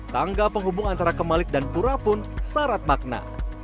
tangga penghubung antara kemalik dan pura pun syarat makna